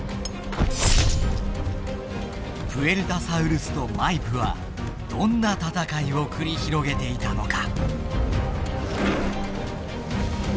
プエルタサウルスとマイプはどんな戦いを繰り広げていたのか。